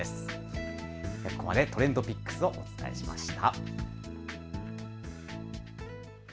ここまでＴｒｅｎｄＰｉｃｋｓをお伝えしました。